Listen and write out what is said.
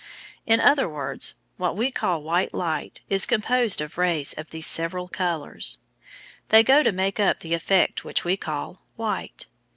_In other words, what we call white light is composed of rays of these several colours. They go to make up the effect which we call white.